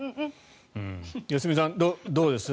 良純さん、どうですか。